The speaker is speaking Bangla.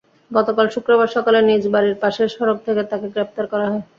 গতকাল শুক্রবার সকালে নিজ বাড়ির পাশের সড়ক থেকে তাঁকে গ্রেপ্তার করা হয়।